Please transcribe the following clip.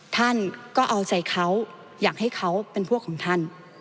ท่านก็เอาใจเขาอยากให้เขาเป็นพวกของท่าน